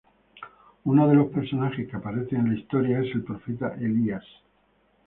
Uno de los personajes que aparecen en la historia es el profeta Elías.